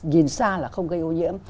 ghiền sa là không gây ô nhiễm